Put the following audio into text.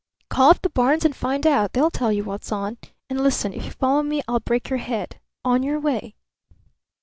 "Call up the barns and find out. They'll tell you what's on. And listen, if you follow me, I'll break your head. On your way!"